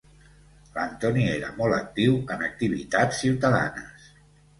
L'Anthony era molt actiu en activitats ciutadanes.